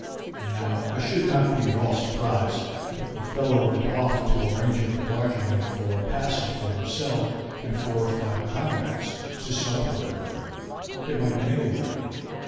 "Now, I should not be at all surprised if the fellow went off to arrange with the bargeman for a passage for himself and four or five comrades to some port or other, it might be anywhere.